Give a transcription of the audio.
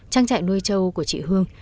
trang trại nuôi trâu của chị hương